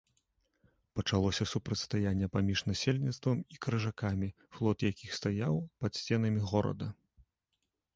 Пачалося супрацьстаянне паміж насельніцтвам і крыжакамі, флот якіх стаяў пад сценамі горада.